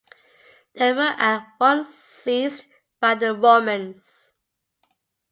They were at once seized by the Romans.